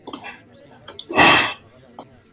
Rhys consiguió huir e hizo la paz con Llywelyn.